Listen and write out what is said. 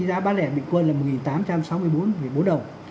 giá bán lẻ bình quân là một tám trăm sáu mươi bốn bốn đồng